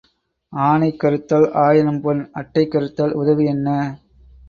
ஆனை கறுத்தால் ஆயிரம் பொன் அட்டைகறுத்தால் உதவி என்ன?